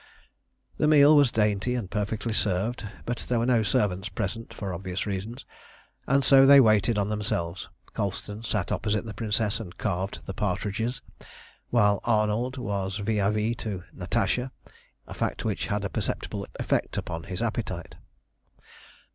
The meal was dainty and perfectly served, but there were no servants present, for obvious reasons, and so they waited on themselves. Colston sat opposite the Princess and carved the partridges, while Arnold was vis à vis to Natasha, a fact which had a perceptible effect upon his appetite.